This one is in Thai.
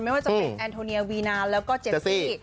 ไม่ว่าจะเป็นแอนโทเนียวีนานแล้วก็เจนซี่